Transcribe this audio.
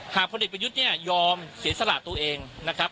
หากพ่อเด็กประยุทธนี่ยอมเสียสละตัวเองนะครับ